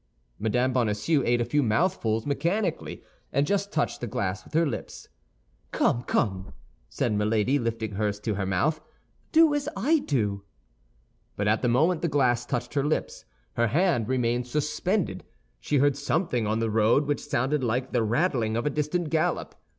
Mme. Bonacieux ate a few mouthfuls mechanically, and just touched the glass with her lips. "Come, come!" said Milady, lifting hers to her mouth, "do as I do." But at the moment the glass touched her lips, her hand remained suspended; she heard something on the road which sounded like the rattling of a distant gallop.